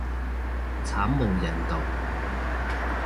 慘無人道